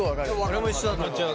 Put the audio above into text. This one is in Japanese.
俺も一緒だと思う。